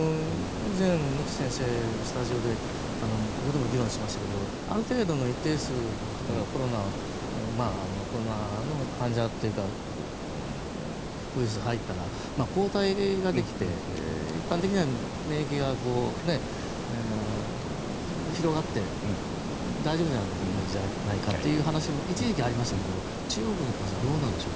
以前、二木先生スタジオで議論しましたがある程度、一定数の方がコロナの患者というかウイルスが入ったら抗体ができて一般的には免疫が広がって大丈夫じゃないかという話も一時期ありましたけど中国に関してはどうなんでしょう。